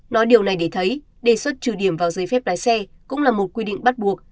nói điều này để thấy đề xuất trừ điểm vào giấy phép lái xe cũng là một quy định bắt buộc